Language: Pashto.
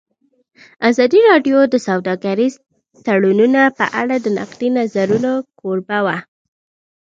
ازادي راډیو د سوداګریز تړونونه په اړه د نقدي نظرونو کوربه وه.